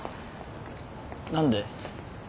何で？